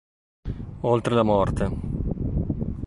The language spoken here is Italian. Oltre la morte